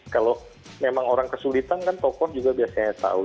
kalau memang orang kesulitan kan tokoh juga biasanya tahu